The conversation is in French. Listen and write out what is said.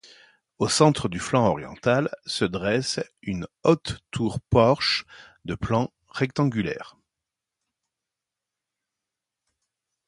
Au centre du flanc oriental, se dresse une haute tour-porche de plan rectangulaire.